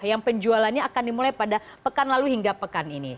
yang penjualannya akan dimulai pada pekan lalu hingga pekan ini